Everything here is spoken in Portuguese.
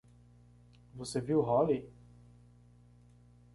Você viu o Hollie?